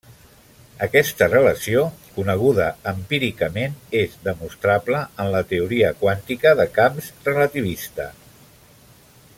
Aquesta relació, coneguda empíricament, és demostrable en la teoria quàntica de camps relativista.